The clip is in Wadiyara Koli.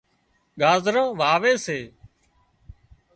ڳازران واوي سي